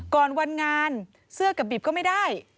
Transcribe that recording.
ก่อนวันงานเสื้อกับดิบก็ไม่ได้